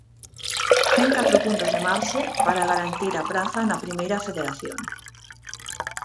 Ten catro puntos de marxe, para garantir a praza na Primeira Federación.